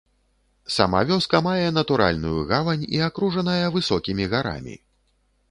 Сама вёска мае натуральную гавань і акружаная высокімі гарамі.